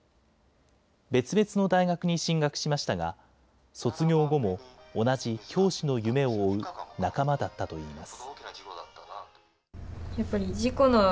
別々の大学に進学しましたが、卒業後も同じ教師の夢を追う仲間だったといいます。